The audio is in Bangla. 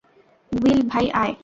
উইল, ভাই, আয়।